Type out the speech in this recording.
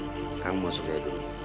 jajan kamu mau susah dulu